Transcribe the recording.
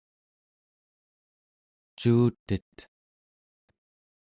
cuutet